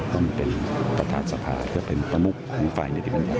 ก็มันเป็นประธานสภาหรือเป็นประมุขของฝ่ายในอดีตประหลาด